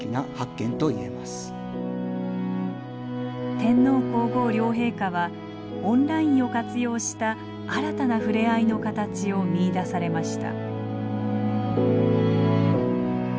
天皇皇后両陛下はオンラインを活用した新たな触れ合いの形を見いだされました。